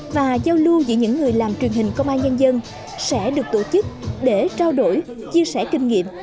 và giao lưu giữa những người làm truyền hình công an nhân dân sẽ được tổ chức để trao đổi chia sẻ kinh nghiệm